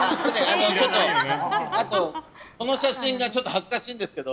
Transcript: あと、この写真が恥ずかしいんですけど。